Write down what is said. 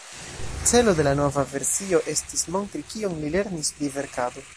Celo de la nova versio estis montri kion li lernis pri verkado.